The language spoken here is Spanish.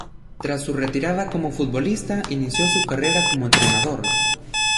Tras su retirada como futbolista, inició su carrera como entrenador.